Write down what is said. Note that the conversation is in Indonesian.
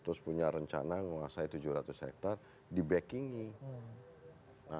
terus punya rencana menguasai tujuh ratus hektare di backingnya